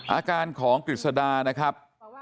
อาการของกฤษดานะครับ